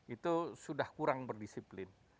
itu sudah kurang berdisiplin